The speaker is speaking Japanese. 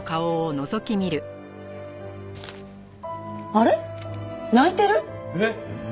あれっ？泣いてる？えっ？